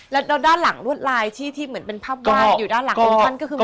แล้วด้านหลังรวดลายที่เหมือนเป็นภาพวาดอยู่ด้านหลังของท่านก็คือ